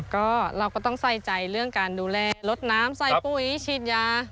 ก็เราก็ต้องใส่ใจเรื่องการดูแลลดน้ำใส่ปุ๋ยฉีดยา